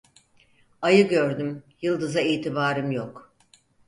Ayı gördüm, yıldıza itibarım yok.